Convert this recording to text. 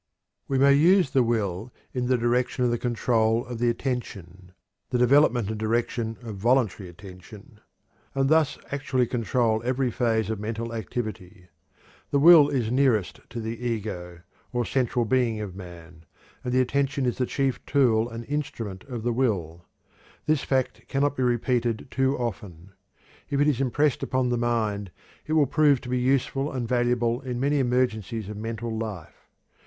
We may use the will in the direction of the control of the attention the development and direction of voluntary attention and thus actually control every phase of mental activity. The will is nearest to the ego, or central being of man, and the attention is the chief tool and instrument of the will. This fact cannot be repeated too often. If it is impressed upon the mind it will prove to be useful and valuable in many emergencies of mental life.